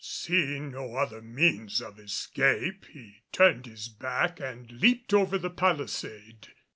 Seeing no other means of escape he turned his back and leaped over the palisade.